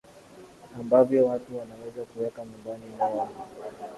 ambavyo watu wanaweza kuweka nyumbani mwao